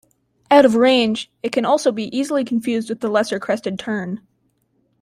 Out of range, it can also be easily confused with the lesser crested tern.